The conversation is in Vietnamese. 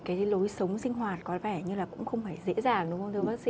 cái lối sống sinh hoạt có vẻ như là cũng không phải dễ dàng đúng không thưa bác sĩ